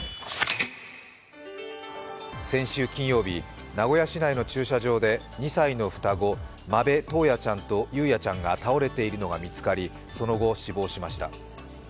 先週金曜日、名古屋市内の駐車場で２歳の双子、間部登也ちゃんと雄也ちゃんが倒れているのが見つかりその後、死亡しました。